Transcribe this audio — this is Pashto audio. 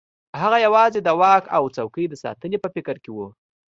هغه یوازې د واک او څوکۍ د ساتنې په فکر کې وو.